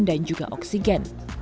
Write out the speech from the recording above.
dan juga oksigen